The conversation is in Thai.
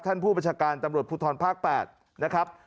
ท่านผู้บัชการตำรวจพุทธรภาค๘นะครับ